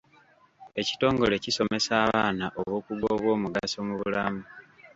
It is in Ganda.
Ekitongole kisomesa abaana obukugu obw'omugaso mu bulamu.